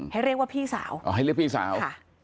ให้เรียกว่าพี่สาว